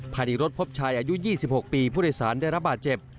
ภายในรถพบชายอายุ๒๖ปีผู้โดยสารได้รับบาดเจ็บ